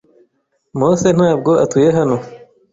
Mose ntabwo atuye hano.